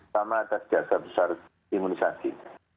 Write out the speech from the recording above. sama atas jasa besar imunisasi